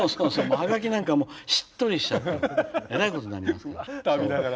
ハガキなんかしっとりしちゃってえらいことになりますから。